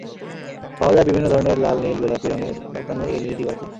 পাওয়া যায় বিভিন্ন ধরনের লাল, নীল, গোলাপি রঙের লতানো এলইডি বাতি।